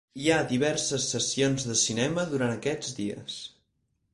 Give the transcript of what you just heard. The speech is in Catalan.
Hi ha diverses sessions de cinema durant aquests dies.